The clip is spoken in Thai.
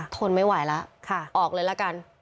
ทนไม่ไหวแล้วออกเลยละกัน